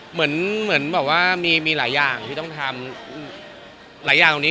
เหมือนเป็นแบบย้ำคิดย้ำทำอะไรอย่างนี้